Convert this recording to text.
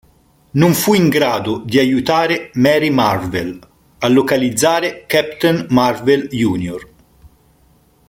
Non fu in grado di aiutare Mary Marvel a localizzare Capitan Marvel Jr..